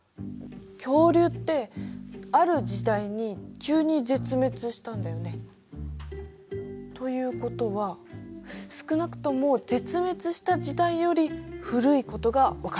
恐竜ってある時代に急に絶滅したんだよね？ということは少なくとも絶滅した時代より古いことがわかる。